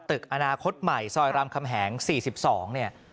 ตึกอนาคตใหม่ซอยรามคำแหง๔๒เนี่ย